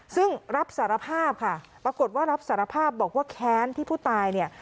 ซึ่งรับสารภาพค่ะปรากฏว่ารับสารภาพบอกว่าแค้นที่ผู้ตายเนี่ย